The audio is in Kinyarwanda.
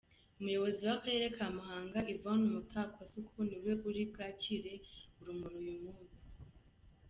Umuyobozi w’akarere ka Muhanga Yvonne Mutakwasuku niwe uri bwakire urumuri uyu munsi.